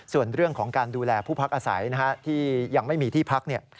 ส่วนเรื่องของการดูแลผู้พักอาศัยที่ยังไม่มีที่พัก